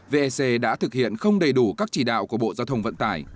vec đã thực hiện không đầy đủ các chỉ đạo của bộ giao thông vận tải